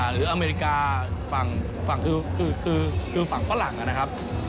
หรืออเมริกาฝั่งคือฝั่งฝรั่งนะครับ